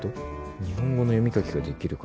「日本語の読み書きができる方」